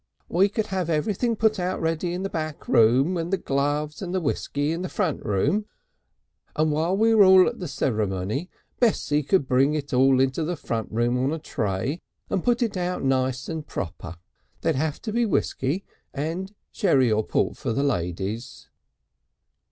"We could have everything put out ready in the back room and the gloves and whiskey in the front room, and while we were all at the ceremony, Bessie could bring it all into the front room on a tray and put it out nice and proper. There'd have to be whiskey and sherry or port for the ladies...."